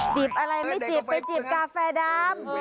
บอะไรไม่จีบไปจีบกาแฟดำ